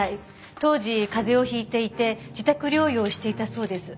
当時風邪を引いていて自宅療養をしていたそうです。